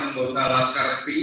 enam anggota laskar fpi